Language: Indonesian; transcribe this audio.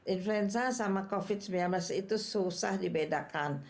influenza sama covid sembilan belas itu susah dibedakan